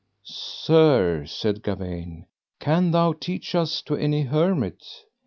Sir, said Gawaine, can thou teach us to any hermit?